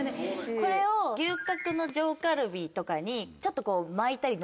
これを牛角の上カルビとかにちょっと。